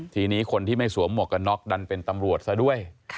ทีนี้คนที่ไม่สวมหมวกกันน็อกดันเป็นตำรวจซะด้วย